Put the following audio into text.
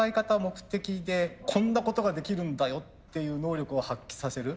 目的でこんなことができるんだよっていう能力を発揮させる。